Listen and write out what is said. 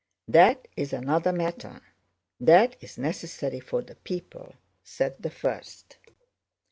"That's another matter. That's necessary for the people," said the first.